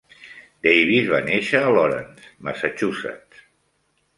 Davis va néixer a Lawrence, Massachusetts.